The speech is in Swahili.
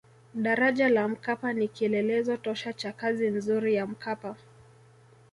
daraja la mkapa ni kielelezo tosha cha kazi nzuri ya mkapa